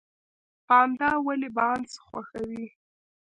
پاندا ولې بانس خوښوي؟